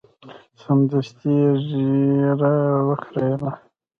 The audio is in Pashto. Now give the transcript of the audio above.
سمدستي یې ږیره وخریله.